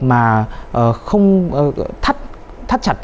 mà không thắt chặt